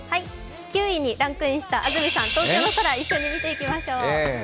９位にランクインした安住さん、東京の空を一緒に見ていきましょう。